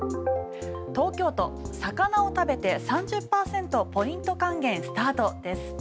東京都、魚を食べて３０％ポイント還元スタートです。